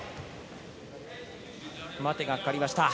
待てがかかりました。